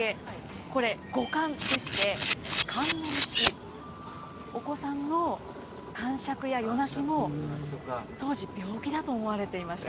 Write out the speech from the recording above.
これ五疳でして疳の虫お子さんのかんしゃくや夜泣きも当時病気だと思われていました。